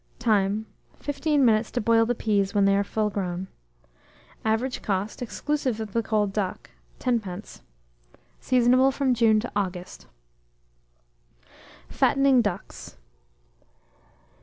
Time. 15 minutes to boil the peas, when they are full grown. Average cost, exclusive of the cold duck, 10d. Seasonable from June to August. FATTENING DUCKS.